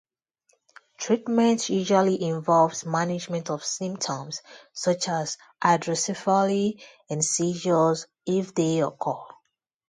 Treatment usually involves management of symptoms, such as hydrocephaly and seizures, if they occur.